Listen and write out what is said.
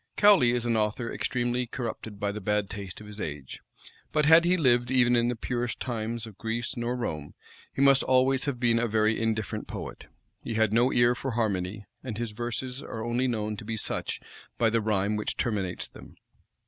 Cowley is an author extremely corrupted by the bad taste of his age; but had he lived even in the purest times of Greece nor Rome, he must always have been a very indifferent poet. He had no ear for harmony; and his verses are only known to be such by the rhyme which terminates them.